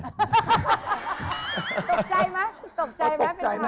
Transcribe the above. ตกใจมั้ยตกใจมั้ยเป็นข่าวเยอะ